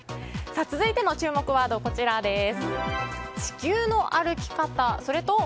続いての注目ワード、こちらです。